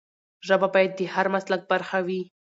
ژبه باید د هر مسلک برخه وي.